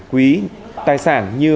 quý tài sản như